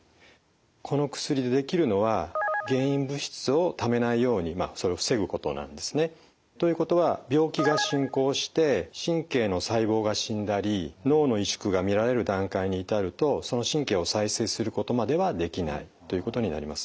この薬でできるのは原因物質をためないようにそれを防ぐことなんですね。ということは病気が進行して神経の細胞が死んだり脳の萎縮が見られる段階に至るとその神経を再生することまではできないということになります。